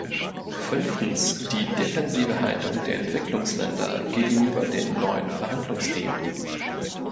Fünftens, die defensive Haltung der Entwicklungsländer gegenüber den neuen Verhandlungsthemen.